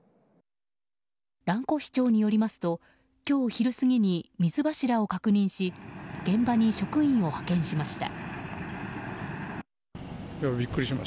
蘭越町によりますと今日昼過ぎに水柱を確認し現場に職員を派遣しました。